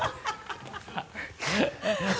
ハハハ